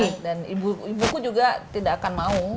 iya dan ibuku juga tidak akan mau